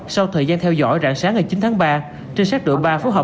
sau thời gian theo dõi rạng sáng ngày chín tháng ba trinh sát độ ba phối hợp